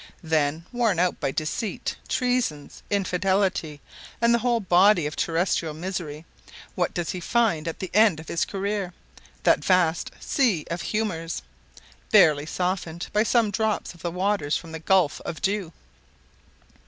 Then, worn out by deceit, treasons, infidelity, and the whole body of terrestrial misery, what does he find at the end of his career? that vast "Sea of Humors," barely softened by some drops of the waters from the "Gulf of Dew!"